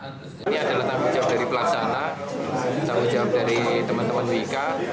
ini adalah tanggung jawab dari pelaksana tanggung jawab dari teman teman wika